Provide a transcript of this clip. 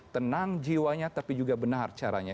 tenang jiwanya tapi juga benar caranya